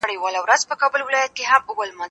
زه اوږده وخت کتابتون ته ځم،